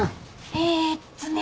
えーっとね。